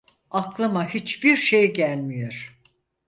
Aklıma hiçbir şey gelmiyor.